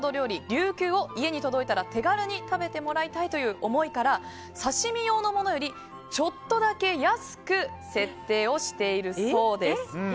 りゅうきゅうを家に届いたら手軽に食べてもらいたいという思いから、刺し身用のものよりちょっとだけ安く設定しているそうです。